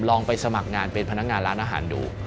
ลองไปสมัครงานเป็นพนักงานร้านอาหารดู